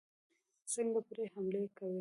څنګه پرې حملې کوي.